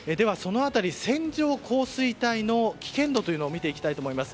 では、線状降水帯の危険度を見ていきたいと思います。